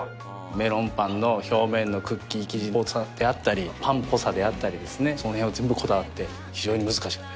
メロンパンの表面のクッキー生地を使ってあったり、パンっぽさであったりとかですね、そのへんを全部こだわって、非常に難しく。